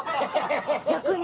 逆に。